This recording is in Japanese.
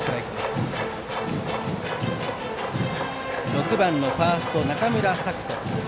６番のファースト、中村咲斗。